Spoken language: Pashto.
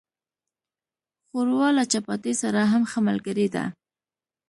ښوروا له چپاتي سره هم ښه ملګری ده.